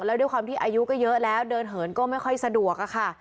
แล้วด้วยความที่อายุก็เยอะแล้วเดินเหินก็ไม่ค่อยสะดวกอะค่ะ